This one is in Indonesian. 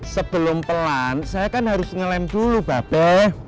sebelum pelan saya kan harus ngelem dulu babel